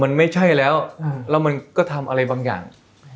มันไม่ใช่แล้วแล้วมันก็ทำอะไรบางอย่าง